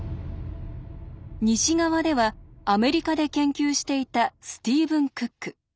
西側ではアメリカで研究していたスティーブン・クック。